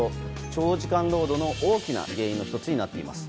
長時間労働の大きな原因の１つとなっています。